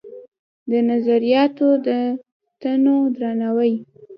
د نظریاتو د تنوع درناوی